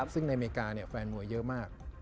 ซึ่งในอเมริกาแฟนมวยเยอะมาก